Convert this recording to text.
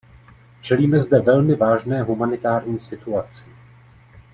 Čelíme zde velmi vážné humanitární situaci.